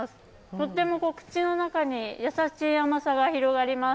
とっても口の中に優しい甘さが広がります。